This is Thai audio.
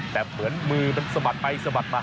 แต่เหมือนมือมันสะบัดไปสะบัดมา